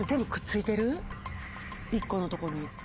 １個のとこに。